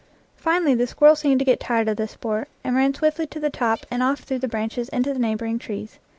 Finally the squirrel seemed to get tired of the sport, and ran swiftly to the top and off through the branches into the neighboring trees.